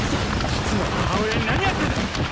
実の母親に何やってんだ？